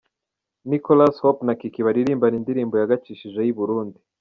Nicolas, Hope na Kiki baririmbana indirimbo yagacishijeho i Burundi.